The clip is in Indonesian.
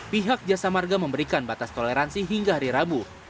pihak jasa marga memberikan batas toleransi hingga hari rabu